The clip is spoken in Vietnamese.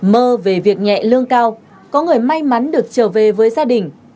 mơ về việc nhẹ lương cao có người may mắn được trở về với gia đình